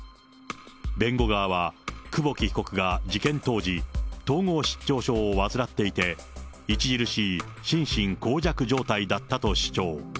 弁護側は、久保木被告が事件当時、統合失調症を患っていて、著しい心神耗弱状態だったと主張。